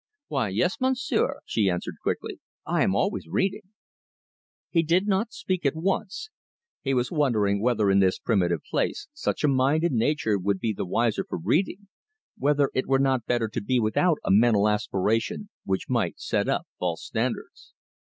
"Why, yes, Monsieur," she answered quickly. "I am always reading." He did not speak at once. He was wondering whether, in this primitive place, such a mind and nature would be the wiser for reading; whether it were not better to be without a mental aspiration, which might set up false standards.